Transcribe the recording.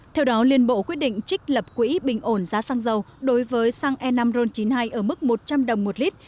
theo đó liên bộ quyết định trích lập quỹ bình ổn giá xăng dầu đối với xăng e năm ron chín mươi hai ở mức một trăm linh đồng một lít